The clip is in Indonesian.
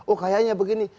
oh kayaknya begini